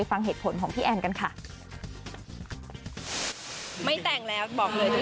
กดอย่างวัยจริงเห็นพี่แอนทองผสมเจ้าหญิงแห่งโมงการบันเทิงไทยวัยที่สุดค่ะ